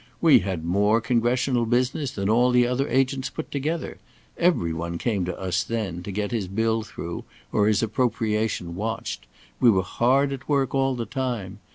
We had more congressional business than all the other agents put together. Every one came to us then, to get his bill through, or his appropriation watched. We were hard at work all the time.